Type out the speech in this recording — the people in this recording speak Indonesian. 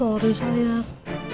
ocorot pemukang untuk tangan